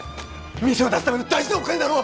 店を出すための大事なお金だろ？